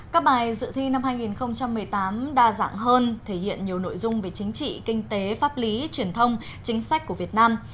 các bài dự thi năm hai nghìn một mươi tám đa dạng hơn thể hiện nhiều nội dung về chính trị kinh tế pháp lý truyền thông chính sách của việt nam